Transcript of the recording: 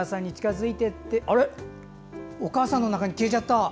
お母さんの中に消えちゃった！